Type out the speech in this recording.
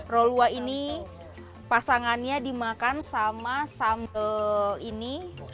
rolua ini pasangannya dimakan sama sambal ini